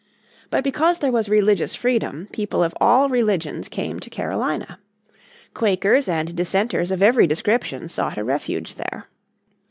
But because there was religious freedom people of all religions came to Carolina. Quakers and dissenters of every description sought a refuge there.